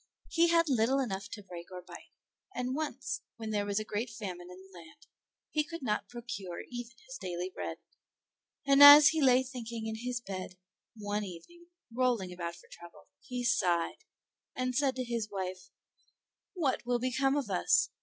He had little enough to break or bite, and once, when there was a great famine in the land, he could not procure even his daily bread; and as he lay thinking in his bed one evening, rolling about for trouble, he sighed, and said to his wife, "What will become of us?